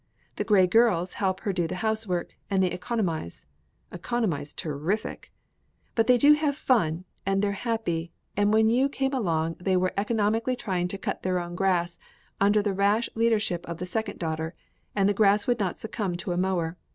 The Grey girls help her do the housework, and they economize economize terrific! But they do have fun, and they're happy, and when you came along they were economically trying to cut their own grass, under the rash leadership of the second daughter, and the grass would not succumb to a mower.